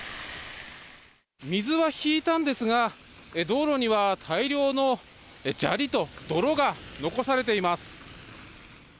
水は引いたんですが道路には大量の砂利と泥が残されています。